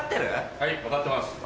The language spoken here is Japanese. はい分かってます。